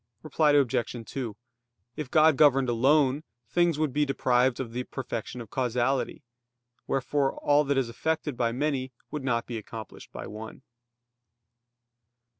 Reply Obj. 2: If God governed alone, things would be deprived of the perfection of causality. Wherefore all that is effected by many would not be accomplished by one.